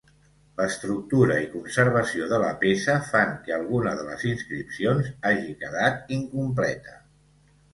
L'estructura i conservació de la peça fan que alguna de les inscripcions hagi quedat incompleta.